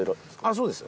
そうです。